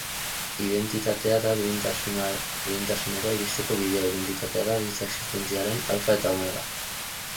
Identitatea da duintasunera iristeko bidea, identitatea da giza existentziaren alfa eta omega.